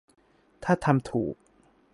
ถ้าทำถูก